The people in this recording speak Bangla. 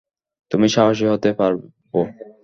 তুমি সাহসী হতে পারবো?